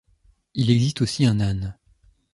Il existe aussi un âne.